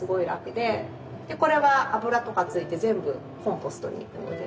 でこれは油とか付いて全部コンポストにいくので。